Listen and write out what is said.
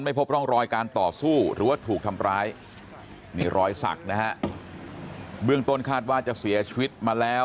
พบร่องรอยการต่อสู้หรือว่าถูกทำร้ายนี่รอยสักนะฮะเบื้องต้นคาดว่าจะเสียชีวิตมาแล้ว